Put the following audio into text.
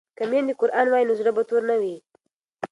که میندې قران ووايي نو زړه به تور نه وي.